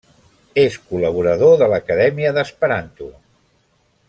És col·laborador de l'Acadèmia d'Esperanto.